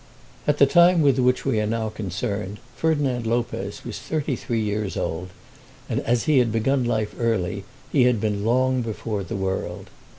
At the time with which we are now concerned Ferdinand Lopez was thirty three years old, and as he had begun life early he had been long before the world.